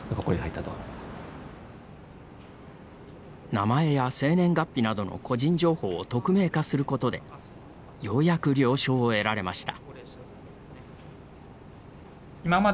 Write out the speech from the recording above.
名前や生年月日などの個人情報を匿名化することでようやく了承を得られました。